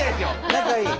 仲いい。